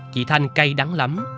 chị thanh cay đắng lắm